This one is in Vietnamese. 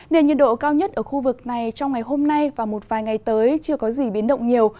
nền nhiệt độ cao nhất ở khu vực này trong ngày hôm nay và một vài ngày tới chưa có gì biến động nhiều